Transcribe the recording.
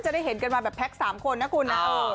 ได้เห็นกันมาแบบแพ็ค๓คนนะคุณนะ